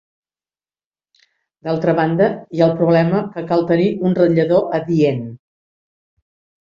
D'altra banda, hi ha el problema que cal tenir un ratllador adient.